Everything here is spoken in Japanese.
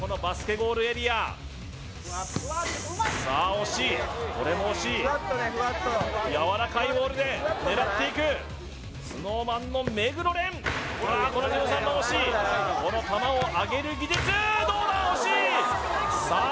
ゴールエリアさあ惜しいこれも惜しいやわらかいボールで狙っていくＳｎｏｗＭａｎの目黒蓮１３も惜しいこの球をあげる技術どうだ惜しいさあ